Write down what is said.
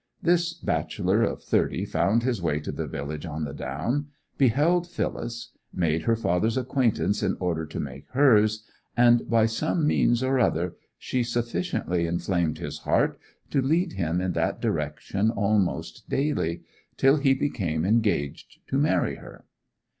This bachelor of thirty found his way to the village on the down: beheld Phyllis; made her father's acquaintance in order to make hers; and by some means or other she sufficiently inflamed his heart to lead him in that direction almost daily; till he became engaged to marry her.